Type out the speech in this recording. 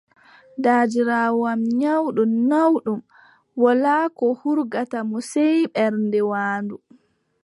Daadiraawo am nyawɗo naawɗum, wolaa ko hurgata mo sey ɓernde waandu.